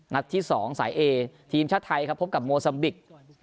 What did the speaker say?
นัดที่๒สายเอทีมชาติไทยครับพบกับโมซัมบิก